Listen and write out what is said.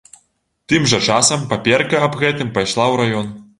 Тым жа часам паперка аб гэтым пайшла ў раён.